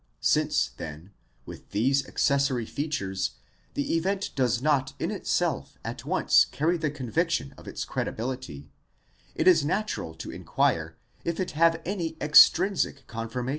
Since then, with these accessory features the event does not in itself at once carry the conviction of its credi bility, it is natural to inquire if it have any extrinsic confirmation.